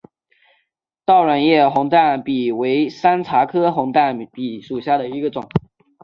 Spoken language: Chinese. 倒卵叶红淡比为山茶科红淡比属下的一个种。